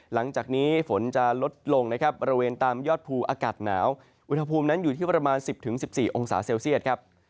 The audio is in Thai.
หลังจากนี้ฝนจะลดลงนะครับบริเวณตามยอดภูอากาศหนาวอุณหภูมินั้นอยู่ที่ประมาณ๑๐๑๔องศาเซลเซียตครับ